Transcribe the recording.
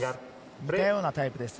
似たようなタイプです。